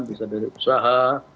bisa dari usaha